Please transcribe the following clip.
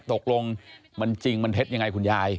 ตกลงมันจริงมันเท็จยังไงคุณยาย